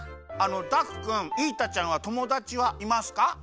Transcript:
ダクくんイータちゃんはともだちはいますか？